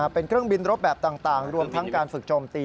เป็นเครื่องบินรบแบบต่างรวมทั้งการฝึกโจมตี